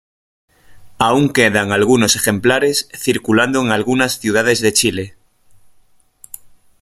Aún quedan algunos ejemplares circulando en algunas ciudades de Chile.